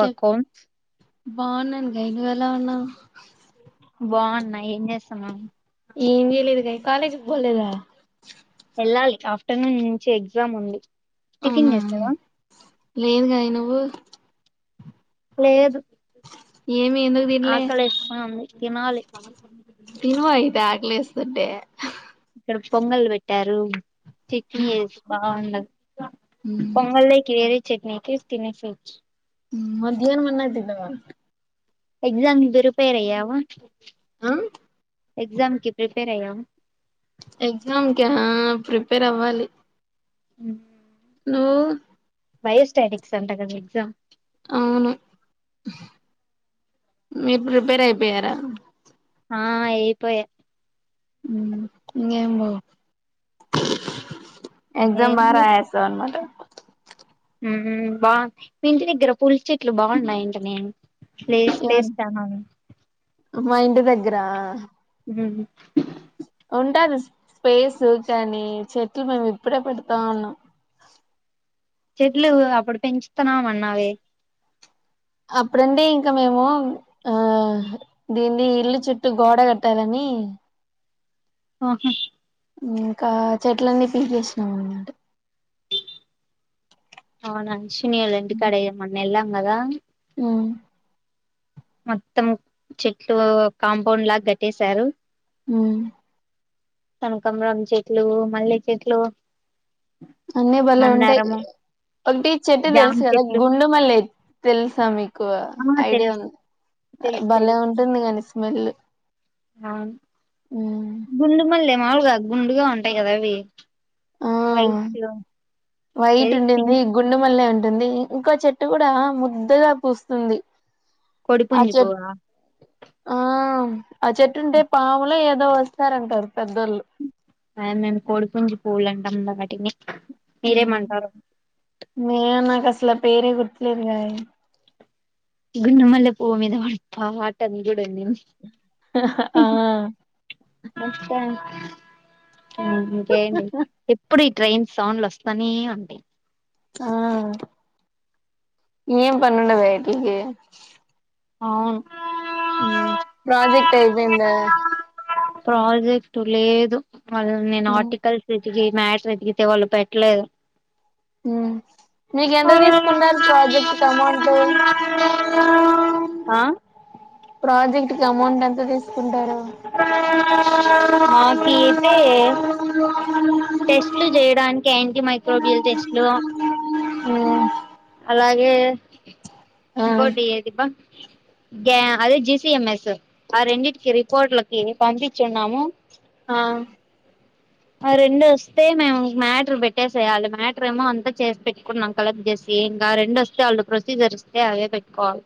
చెప్ బాగున్నాను గై నువ్వు ఎలా ఉన్నావు బాగున్నా ఏం చేస్తాన్నావ్ ఏం జేయలేదిగా కాలేజ్కి పోలేదా వెళ్ళాలి ఆఫ్టర్నూన్ నుంచి ఎగ్జామ్ ఉంది. టిఫిన్ అవునా చేసావా లేదుగా. నువ్వు లేదు ఏమి ఎందుకు తిన్లే ఆకలిస్తా ఉంది తినాలి తనువా ఇతే ఆగలే ఇస్తస్తుంటే. ఇక్కడ పొంగల్ పెట్టారు. చట్నీ బాగుండది పొంగల్కి చట్నీకి తిన స వచ్చ మధ్యాహ్నం అన్నం తిన్నావా ఎక్సామ్ ప్రీపేర్ అయ్యావా. ఆ ఎగ్జామ్కి ప్రిపేర్ అయ్యావ ఎగ్జామ్ కా ప్రిపేర్ అవ్వాలి ఉ నువ్వు బయోస్టెనిక్స్ అంట కదా ఎగ్జామ్ అవును మీరు ప్రిపేర్ అయిపోయారా ఆ అయిపోయా ఇంకేం లే ఎగ్జామ్ బాగా మేము రాసేసాం అన్నమాట బాగు మీ ఇంటి దగ్గర పులి చెట్లు బాగున్నాయింట నేను ప్లేస్ ఎవరు ప్లేస్ట చాలా ఉంది మా ఇంటి దగ్గర హ ఉంటాది స్పేస్ కానీ చెట్లు మేము ఇప్పుడే పెడతా ఉన్నాం. చెట్లు అప్పుడు పెంచుతున్నామ అన్నావే అప్పుడంటే ఇంకా మేము ఆ దీన్ని ఇల్లు చుట్టూ గోడ కట్టాలని ఓకే ఇంకా చెట్లన్నీ పీ చేసినాం అన్న మాట అవునా శునిలంటి కడ మన్న ఎలా అన్నదా ఆ మొత్తం చెట్లు కాంపౌండ్ లాగా కట్టేశారు ఉ కనకంబం చెట్లు మళ్లీ చెట్లు అన్నీ బళ్లే ఉంటాయి మందారము ఒకటి చెట్టు జామ తెలుసు కదా చెట్లు గుండు మళ్ళీ అ తెలుసా మీకు ఎక్కువ ఆ ఐడియా తెలుసు ఉంది తెలుసు బలే తెలుసు ఉంటుంది కాని స్మెల్ వాలు గ్గుండుగా ఉంటాయి కదా అవి ఆ వైట్ వైట్ ఏది ఉండింది పింక్ గుండుె మల్ళ అం ఉంటుంది ఇంకా చెట్టు కూడా ముద్ద్దగా పూస్తుంది ఆ చెట్ కోడిపుంజుకోవ ఆ ఆ చెట్టుంటే పాములొ ఎో వస్తారంటారు పెద్దళ్ళు అద మేము కోడి పుంజు పూలుంటాము వాటిని మీరేమంటారు మ నా కసి సల పేరే గుర్తులేదా గున్నమల్ పూ మీద వప ఆటా ని ఆ మా ఇంకేడి ఎప్పుడు ట్రైన్ సౌండ్లు వస్తానే ఉంటాయి ఆ ఏం పన్నండద వట్కి అవును ప్రాజెక్ట్ అయిపోయిందా ప్రాజెక్ట్ లేదు వాళ్ నేను ఆర్టికల్స్ ఎ మ్యాటర్ ఎిగితే వాళ్ళు పెట్టలేదు మీకు ఎంత తీసుకున్నారు ప్రాజెక్ట్ కి అమౌంట్ ఆ ప్రాజెక్ట్ కి అమౌంట్ ఎంత తీసుకుంటారు మాకి అయితే టెస్ట్లు చేయడానికి యాంటీ మైక్రోబియల్ టెస్ట్లు అలాగే గోడ్ ఏదిీబా గ అదే జిసఎంఎస్ ఆ రెండింటికి రిపోర్ట్లకి పంపించున్నాము హా రెండు వస్తే మేము మ్యాటర్ పెట్టేసేయాలి మ్యాటర్ ఏమో అంతా చేసి పెట్టుకుంటన్నాం కలెక్ట్ చే ఏం రెండు వస్తే వాళ్ళు ప్రొసీజర్ ఇస్తే అవే పెట్టుకోవాలి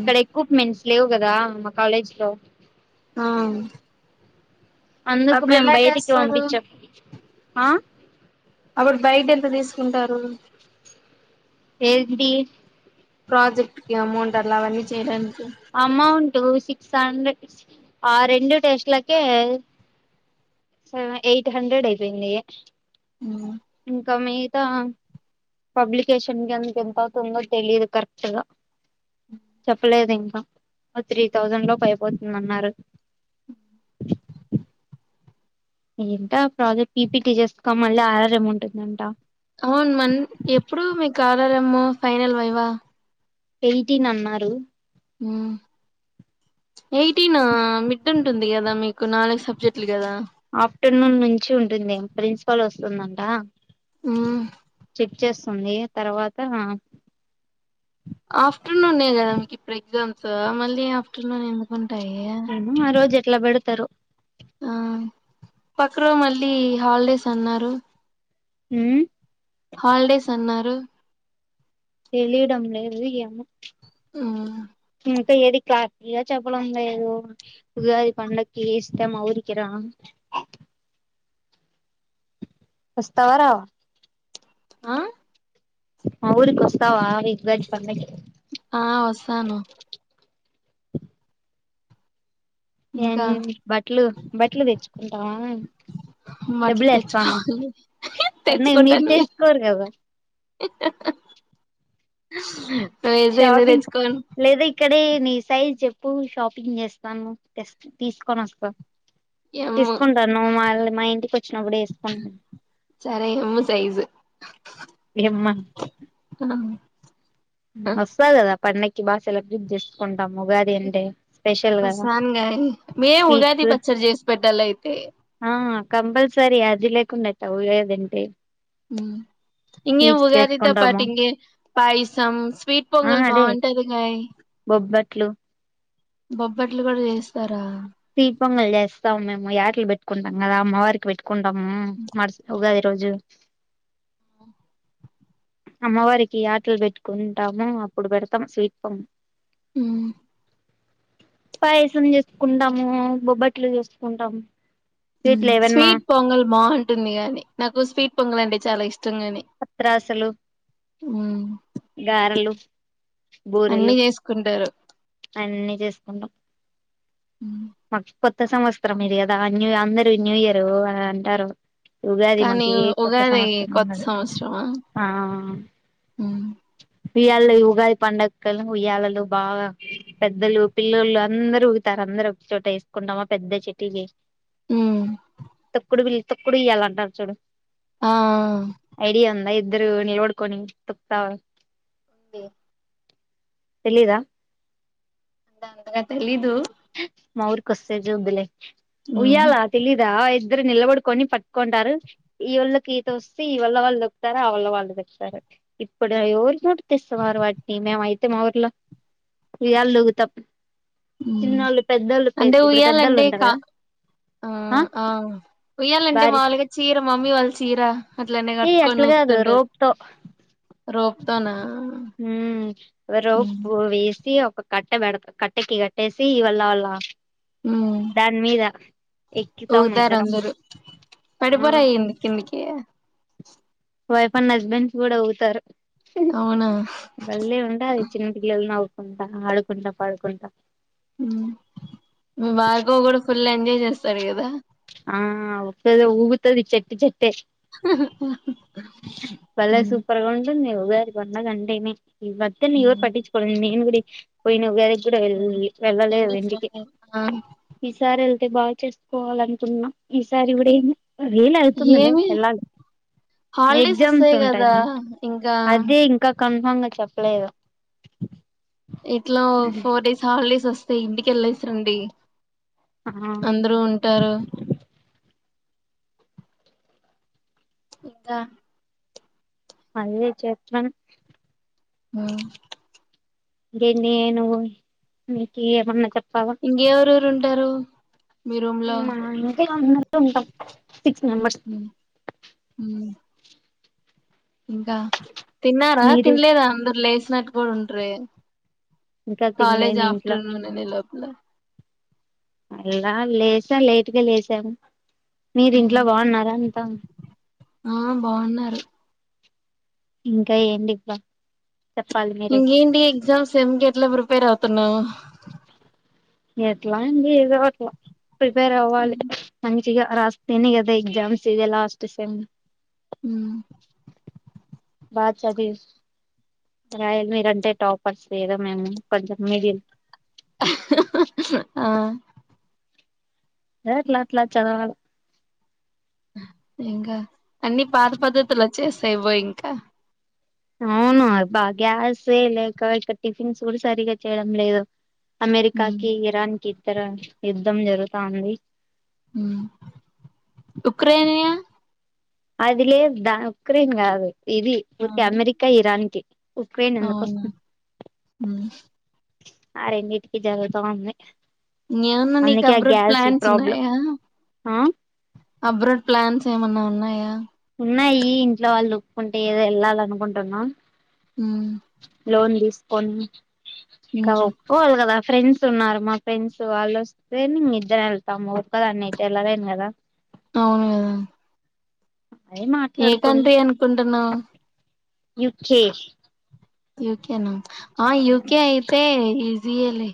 ఇక్కడ ఎక్విపమెంట్స్ లేవు కదా మా కాలేజ్ లో ఆ అందుకు అప్పుడు మేము ఎలా బయటికి చేస్తారు పంపించం ఆ అప్పుడు బయట ఎంత తీసుకుంటారు ఏ బ పాజెక్ట్కి అమౌంట్ ఎలాన్నీ చేయ అమౌంట్ స ఆ రెండు టెస్ట్లకే సవ ఎయిట్ హండ్రెడ్ అయిపోయింది ఇంకా మీ అ పబ్లికేషన్ క ఎందుక ఎంత అవుతుందో తెలిదు కరెక్ట్ గా చెప్పలేదూ ఆ త్రీ తౌసండ్ లోపు పోతుందన్నారు ఏంట ప్రాజెక్ట్ పపీటీ చేర్స్కా మళ్ళీ ఆర్ర్ ఏం ఉంటుందం అవును మ ఎప్పుడు మీకు ఆడారేమో ఫైనల్ వైవా ఎయిట్ టీన్ అన్నారు అ ఎయిటీన్ మీద ఉంది కదా మీకు నాలుగు సబ్జెక్ట్ కదా ఆఫ్టర్నూన్ నుంచి ఉంటుంది ప్రిన్సిపాల్ వస్తుందంట మ్మ్ చెక్ చేస్ వస్తుంది తర్వాత ఆఫ్టర్నూన్ కదా మీకు ఇప్పుడు ఎగ్జామ్స్ మళ్ళీ ఆఫ్టర్నూన్ ఎందుకు ఏమో ఆ రోజు ఎట్ల పెడతారో ఆ పక్కరో మళ్ళీ హాలిడేస్ అన్నారు హా హాలిడేస్ అన్నారు తెలియడం లేదు ఆహా కా ఏది క్లాగా చెప్పడంగా ఏదో ఉగాది పండుకు ఇస్తా మా ఊరికి రా వాస్తవ రావ ఆహా ఊరికి వస్తావా ఇ గజ ప ఆ వస్తాను ఏ ఇంకా బట్టలు బట్టలు తెచ్చుకుంటావా డబ్బులు బట్టలు వేస్తాను తెచ్చుకోవాలి పట్న మీరు తెచ్చుకుంటాను తిసుకోరు కదా స ఏజైనా తెచ్చక న సైజ్ చెప్పు షాపింగ్ చేస్తాను తీసుకోని వస్త ఎమ్ము తీసుకుంటా నువ్వు వాళ్ళ మా ఇంటికి వచ్చినప్పుడు వేసుకుంట సరే ఎమ్ము సైజు ఏమ్మా వాస్తవ కదా పండుకు బాగా సెలబ్రిడ్ చేసుకుంటాము ఉగాది అంటే స్పెషల్ కదా మేం ఉగాది స్వీట్స్ పచ్చడ చేసి పెట్టాలయితే ఆ కంపల్సరీ అది లేకుండా ఎట్ల ఉగాదంటే మ్ ఇంకేం స్వీట్స్ ఉగాదితో చేసుకుంటాము పాటు ఇంగే పాయిసం స్వీట్ పొంగల్ బాగుంటది కాయ్ ట్లూ బొబ్బట్లు కూడా చేస్తారా స్వీట్ పొంగల్ చేస్తాం మేము యాకిల్ పెట్టుకుంటాం కదా అమ్మవారికి పెట్టు కుంటాం మార్చ్ ఉగాది రోజు అమ్మవారికి యాటలు పెట్టుకుంటాము అప్పుడు పెడ్తాము స్వీట్ పొం హ్ పాయసం చేస్కుంటాము బొబ్బట్లు చేస్కుంటాం స్వీట్ పొంగల్ బాగుంటుంది గానీ నాకు స్వీట్ పొంగల్ అంటే చాలా ఇష్ పత్ర అసలు మ్ గారలు అన్ని బూరెలు చేసుకుంటారు అన్నీ చేస్కుంటాం ఉ మాకు కొత్త సంవత్సరం ఇది కదా న్యూ అందరూ న్యూ ఇయర్ అని అంటరు. కానీ ఉగాది కొత్త ఉన్నది సంవత్సరమా ఇయ్యళ్ళ ఉగాది పండక్కలు ఉయ్యాలలు బాగా పెద్దలు పిల్లలు అందరు ఊగుతారు అందరు చోట ఏస్కుంటామా పెద్ద చెటీకి మ్ తొక్కుడు బిల్ తొక్కుడు ఉయ్యాల అంటారు చూడు ఆ ఐడియా [unintelligible] [inaudible] తెలీదా అంతగా తెలీదు మా ఊర్కొస్తే జూదులే మ్ ఉయ్యాల తెలీదా ఇద్దరు నిలబడుకొని పట్టుకుంటారు ఈ వొళ్ళకి ఈత వస్తే ఈ వళ్ళో వాళ్ళు దొక్కుతారు ఆ వళ్ళో వాళ్ళు దొక్కుతారు ఇప్పుడు ఎవరి నోటి తెస్తున్నారు వాటిని మేమయితే మా ఊర్లో ఉయ్యాలలు ఊగుతం అంటే పెద్దోళ్ళు ఉయ్యాలంటే ఇక ఉంటారు కదా ఆ ఆ ఉయ్యాలంటే భార్య మాముూల్గా చీర మమ్మీ వాళ్ చీరా అట్లనే ఏ కట్టుకొన్ అట్లా కాదు ఊగుతుంటద్ రోప్ రోప్ కుతనా మ్ రోపు వేస్టీ కట్టె పెడత కట్టెకి కట్టేసి ఇ వల్ళ వాళ్ళ దాని మీద ఎక్కుతాం పోతారు ఇద్దరం అందరు ఆ పడిపోరాయ్యింది కిందికి- ఏ వైఫ్ అన్న హస్బెండ్స్ కూడా అవుతారు అవునా బల్ళీ ఉండా అది చిన్న పిల్లల్ని నవు కుంటా ఆడుకుంటా పాడుకుంటా చేస్తారు కదా ఆ ఒకద ఊగుతది చెట్టు చెట్టుకి హా హా పల్లె సూపర్గా ఉంటుంది ఇ పన్న గంటేమ ఇవత్ న ఇవరు పట్టించుకో నను గురి పోయిన ఉగాదికి వెళ్ళ వెళ్ళలేదు వెంటికి ఆ ఈసారి అయితే బాగా చేసుకోవాల అనుకున్నా ఈసారి ఇవిడ రెల్ అవుతున్నలే ఏమి ఎల్లా హాలిడేస్ వస్తాయి కదా ఇంకా కన్ఫాంగా చెప్పలేదు ఇట్లా ఫోర్ డేస్ హాలిడేస్ వస్త అే ఇంటికిెళ్ళసరండి ఆ అందరూ ఉంటారు ఇంకా అదే చేప్పను ఉమ్ ద నేను మీకి ఎమన్న చప్ప ఇంగేవరు ఉంటారు మీ రూమ్ లో మేమ ఇంటిలో ఉన్నట్టు ఉంటాం సిక్స్ మెంబర్స్ ఉమ్ ఇంకా తిన్నారా మీరు తినలేదా అందరు లేసినట్టు ఉండ్రే ఇంకా తినలే కాలేజ్ మీ ఇంట్లో ఆఫ్టర్నూన్ అనే లోపల అల్ల లేసా లేట్గ లేసాం మీరు ఇంట్లో మ్ బాగున్నారా అంత ఆ బాగున్నారు ఇంకా ఏంటి ప ఇంకేంటి ఎగ్జామ్స్ సేమ్ కెట్ల ప్రిపేర్ అవుతున్నవు [inaudible] ఎట్లా అండి ఏదో అట్ల ప్రిపేర్ అవ్వాలి అన్ ఇగ రాస్తేనే కదా ఎగ్జామ్స్ ఇదే లాస్ట్ సెమ్ ఉమ్ బా చదివి రాయల్ మీరంటే టాపర్స్ ఏదో మేము కొంచెం మీడిల్ ఆ ఏట్ల అట్ల చదవాల్ ఇంక అన్ని పాత పద్ధతులు వచ్చేస్తాయ్ బో ఇంక అవును బ గ్యాసే లేక ఇక టిఫిన్స్ కూడ సరిగ చేయడం లేదు అమెరికా మ్ కి ఇరన్ కి ఇతర యుద్ధం జరు తాంది ఉక్రేనియ అది లేద్ ద ఉక్రెన్ కాదు ఇది ఆ ఉర్కె అమెరిక ఇరాన్ కి ఉక్రెన్ ఎందుకు అవునా వస్తు ఆ రెండిటికి జరుగుతా ఉంది ఇంగేమన్న నీక్ అందుకే ఆ అబ్రాడ్ గ్యాస్ ప్లాన్స్ ప్రాబ్లం ఉన్నాయా ఆ అబ్రాడ్ ప్లాన్స్ ఏమన్న ఉన్నాయా ఉన్నాయి ఇంట్లో వాళ్ళు ఒప్పుకుంటే ఏదో ఎళ్ళాలి అనుకుంటున్న మ్ లోన్ తీస్ కొన్ ఇంక మ్ ఒప్పుకోవలి కదా ఫ్రెండ్స్ ఉన్నారు మా ఫ్రెండ్స్ వాళ్ళొస్తే న్ ఇద్దరం వెళ్తాము ఒక్కదాన్నయితే వెళ్ళలేను కదా అవును కదా అదే ఏ కంట్రీ అనుకుంటున్నవ్ యు కె యుకె న ఆ యుకె అయితే ఇ రియల్లీ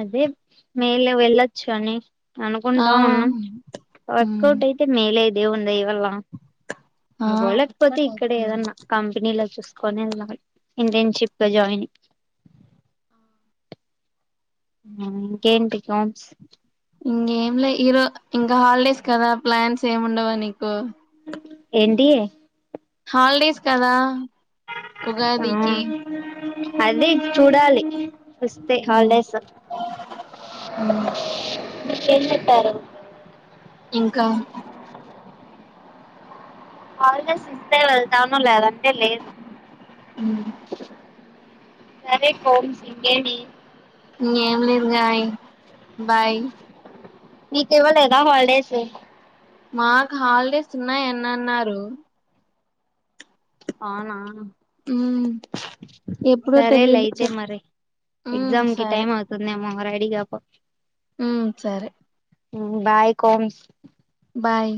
అదే మేల వెళ్ళొచ్చు అని ఆ అనుకుంటా ఉన్నం ఉమ్ వర్కౌట్ అయితే మేలే దేవున్ దైవల్ల ఆ అవోలేకపోతే వర్కౌట్ ఇక్కడే అవుతుందండి ఏదన్న కంపెనీలో చూసుకొని ఎల్లాలి ఇంటర్న్షిప్ లో జాయి ఇంకేంటి కోమ్స్ ఇంకేం లే ఈరో ఇంకా హాలిడేస్ కదా ప్లాన్స్ ఏమి ఉండవా నీకు. ఏంటి హాలిడేస్ కదా ఆ ఉగాదికి అదే చూడాలి వస్తే ఉమ్ హాలిడేస్ ఉమ్ మీకేం చెప్పారు. ఇంకా హాలిడేస్ ఇస్తే వెళ్తాను, లేదంటే లేదు. ఉమ్ సరే పో ఇంకేటి ఇంగ ఏం లేదు గాయ్ బాయ్ మీకివ్వ లేదా హాలిడేస్ మాకు హాలిడేస్ ఉన్నాయన్న అన్నారు అవునా ఉమ్ ఎప్పుడో సరే లే తెలీదు అయితే చెప్ మరి ఉమ్ ఎగ్జామ్ కి టైం అవుతుందేమో మరైయి దిగా పో ఉ సరే ఊ బాయ్ కొమ్స్ బాయ్